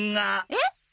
えっ？